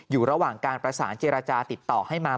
อยู่ระหว่างการประสานเจรจาติดต่อให้มา